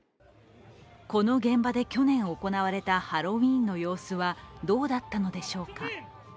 この現場で去年行われたハロウィーンの様子はどうだったのでしょうか。